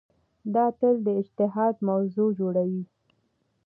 دا تل د اجتهاد موضوع جوړوي.